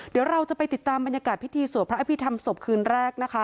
เดี๋ยวเราจะไปติดตามบรรยากาศพิธีสวดพระอภิษฐรรมศพคืนแรกนะคะ